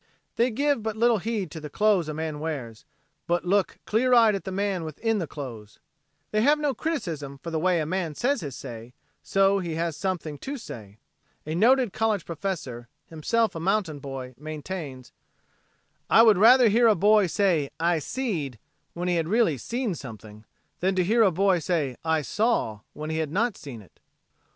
They give but little heed to the clothes a man wears but look clear eyed at the man within the clothes. They have no criticism for the way a man says his say, so he has something to say. A noted college professor, himself a mountain boy, maintains: "I would rather hear a boy say 'I seed' when he had really seen something, than to hear a boy say 'I saw' when he had not seen it."